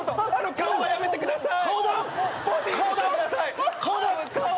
顔はやめてください！